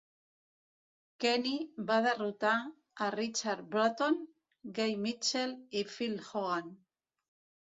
Kenny va derrotar a Richard Bruton, Gay Mitchell i Phil Hogan.